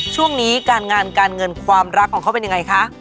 ช่วงนี้การงานการเงินความรักของเขาเป็นยังไงคะ